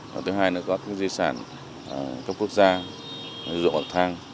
và thứ hai là có di sản trong quốc gia dụ bậc thang